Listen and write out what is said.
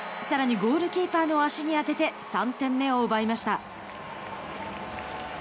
さらにゴールキーパーの足に当てて３点目を奪いました。